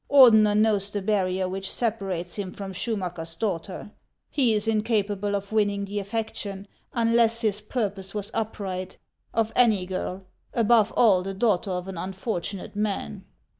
Ordeiier knows the barrier which separates him from Schumacker's daughter ; he is incapable of winning the affection, unless his purpose was upright, of any girl, above all the daughter of an unfortu nate man."